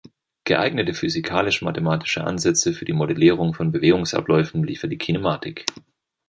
Geeignete physikalisch-mathematische Ansätze für die Modellierung von Bewegungsabläufen liefert die Kinematik.